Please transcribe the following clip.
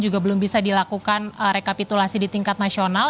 juga belum bisa dilakukan rekapitulasi di tingkat nasional